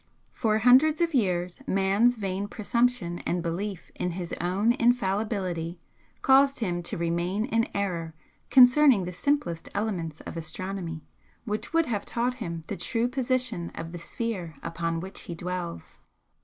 For hundreds of years man's vain presumption and belief in his own infallibility caused him to remain in error concerning the simplest elements of astronomy, which would have taught him the true position of the sphere upon which he dwells.